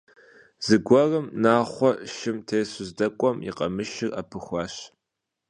Зэгуэрым, Нахъуэ шым тесу здэкӏуэм, и къамышыр ӏэпыхуащ.